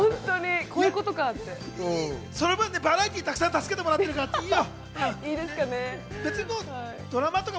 その分、バラエティーでたくさん助けてもらってるからいいよ。